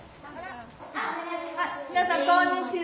皆さんこんにちは。